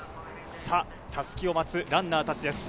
襷を待つランナーたちです。